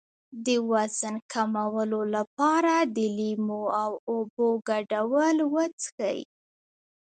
د وزن کمولو لپاره د لیمو او اوبو ګډول وڅښئ